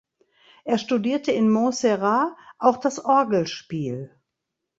Er studierte in Montserrat auch das Orgelspiel.